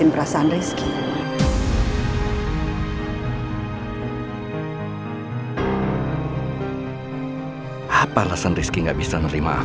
kenapa kita pisah sadece ke gjak dengan desa sepertinya ini